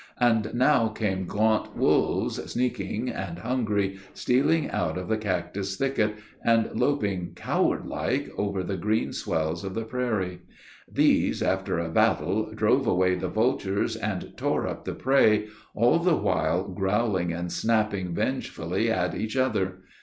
And now came gaunt wolves, sneaking and hungry, stealing out of the cactus thicket; and loping, coward like, over the green swells of the prairie. These, after a battle, drove away the vultures, and tore up the prey, all the while growling and snapping vengefully at each other.